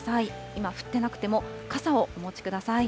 今、降ってなくても、傘をお持ちください。